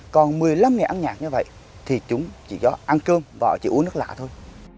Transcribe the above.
còn một mươi năm ngày ăn nhạt như vậy thì chúng chỉ cho ăn cơm và chỉ uống nước lạ thôi